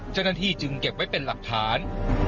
จนที่จึงเก็บไว้เป็นหลักฐาน